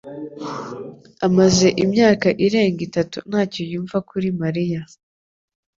amaze imyaka irenga itatu ntacyo yumva kuri Mariya